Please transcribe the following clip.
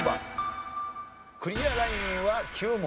クリアラインは９問。